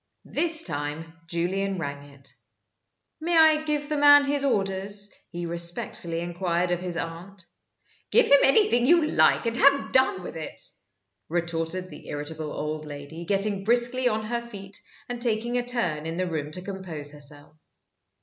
This time Julian rang it. "May I give the man his orders?" he respectfully inquired of his aunt. "Give him anything you like, and have done with it!" retorted the irritable old lady, getting briskly on her feet, and taking a turn in the room to compose herself.